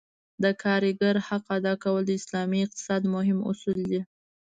د کارګر حق ادا کول د اسلامي اقتصاد مهم اصل دی.